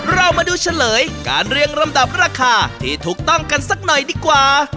เรามาดูเฉลยการเรียงลำดับราคาที่ถูกต้องกันสักหน่อยดีกว่า